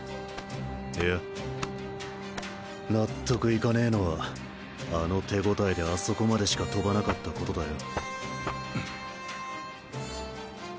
いや納得いかねえのはあの手応えであそこまでしか飛ばなかったことだよ。